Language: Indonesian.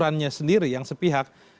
aturannya sendiri yang sepihak